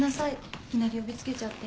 いきなり呼びつけちゃって。